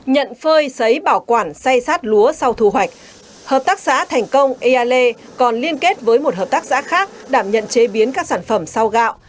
nhận phơi xấy bảo quản xay sát lúa sau thu hoạch hợp tác xã thành công eale còn liên kết với một hợp tác xã khác đảm nhận chế biến các sản phẩm sau gạo